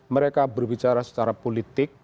mereka berbicara secara politik